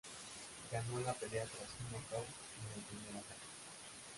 Ganó la pelea tras un nocaut en el primer asalto.